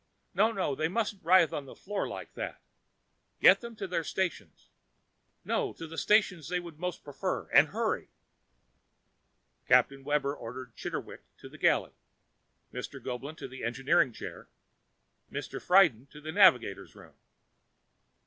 No, no, they mustn't writhe about the floor like that. Get them to their stations no, to the stations they would most prefer. And hurry!" Captain Webber ordered Mr. Chitterwick to the galley, Mr. Goeblin to the engineering chair, Mr. Friden to the navigator's room....